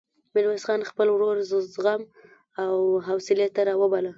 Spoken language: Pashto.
ميرويس خان خپل ورور زغم او حوصلې ته راوباله.